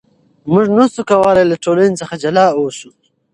موږ نشو کولای له ټولنې څخه جلا اوسو.